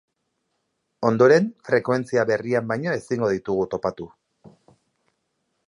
Ondoren, frekuentzia berrian baino ezingo ditugu topatu.